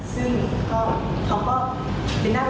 ซึ่งก็เขาก็เป็นหน้าบริษัทหรือว่าเป็นสอสอสา